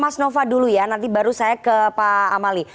mas nova dulu ya nanti baru saya ke pak amali